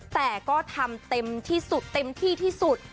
แต่ก็ทำเต็มที่สุดเต็มที่ที่สุด